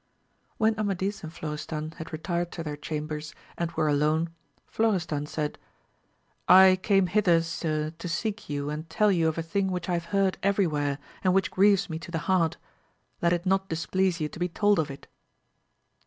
When Amadis and Flo restan had retired to their chambers and were alone, Florestan said, I came hither sir to seek you and tell you of a thing which I have heard every where, and which grieves me to the heart ; let it not displease you to be told of it.